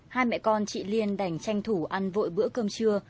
hai mẹ con chị liên đành tranh thủ ăn vội bữa cơm trưa